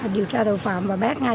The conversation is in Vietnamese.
điều tra tội phạm và bác ngay